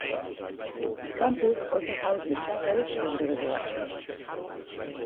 The campus also housed the Chapel of the Resurrection.